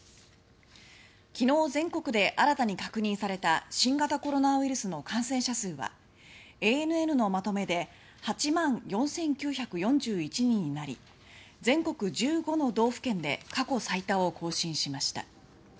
昨日、全国で新たに確認された新型コロナウイルスの感染者数はＡＮＮのまとめで８万４９４１人になり全国１５の道府県で過去最多を更新しました。